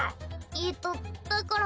えっとだから。